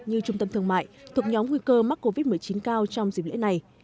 như trung tâm thương mại thuộc nhóm nguy cơ mắc covid một mươi chín cao trong dịp lễ này